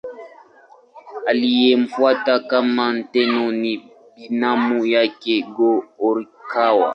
Aliyemfuata kama Tenno ni binamu yake Go-Horikawa.